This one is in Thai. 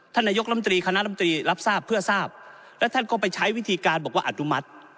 นายกรรมตรีคณะลำตรีรับทราบเพื่อทราบและท่านก็ไปใช้วิธีการบอกว่าอนุมัติ